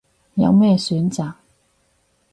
有咩選擇